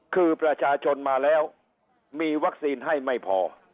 คือประชาชนมาแล้วมีวัคซีนให้ไม่พอ